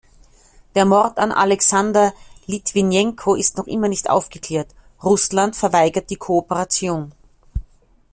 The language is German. Der Mord an Alexander Litwinenko ist noch immer nicht aufgeklärt, Russland verweigert die Kooperation.